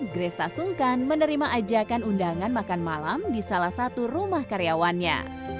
grace ta sungkan menerima ajakan undangan makan malam di salah satu rumah karyawannya